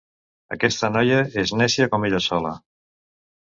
Aquesta noia és nècia com ella sola.